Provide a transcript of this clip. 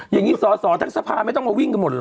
อย่างนี้สอสอทั้งสภาไม่ต้องมาวิ่งกันหมดเหรอ